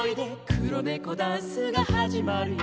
「くろネコダンスがはじまるよ」